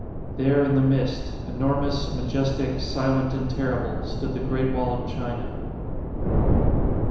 There in the mist, enormous, majestic, silent, and terrible, stood the Great Wall of China.